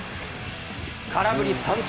空振り三振。